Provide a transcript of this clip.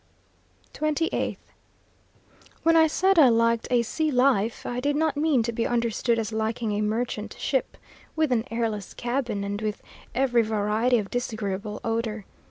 28th. When I said I liked a sea life, I did not mean to be understood as liking a merchant ship, with an airless cabin, and with every variety of disagreeable odour.